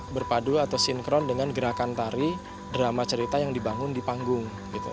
berpadu atau sinkron dengan gerakan tari drama cerita yang dibangun di panggung